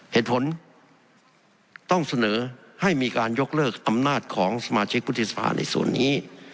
เหตุผลต้องเสนอให้มีการยกเลิกอำนาจของสมาชิกวุฒิสภาในส่วนนี้